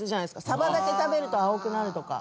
サバだけ食べると青くなるとか。